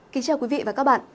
kính chào quý vị và các bạn